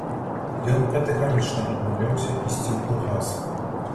Ён катэгарычна адмаўляўся ісці ў калгас.